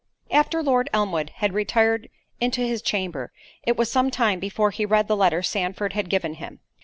After Lord Elmwood had retired into his chamber, it was some time before he read the letter Sandford had given him.